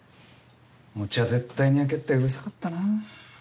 餅は絶対に焼けってうるさかったな。